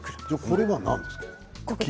これは何ですか？